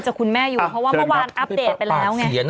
คุณแม่อยู่เพราะว่าเมื่อวานอัปเดตไปแล้วไง